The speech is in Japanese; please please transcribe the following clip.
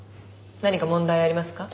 何か問題ありますか？